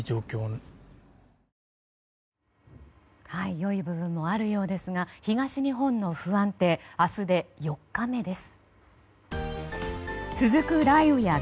良い部分もあるようですが東日本の不安定は明日で４日目です。